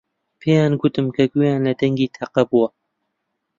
پێیان گوتم کە گوێیان لە دەنگی تەقە بووە.